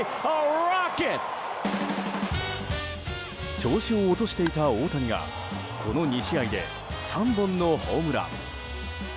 調子を落としていた大谷がこの２試合で３本のホームラン。